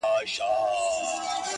• ته به اورې شرنګا شرنګ له هره لوري -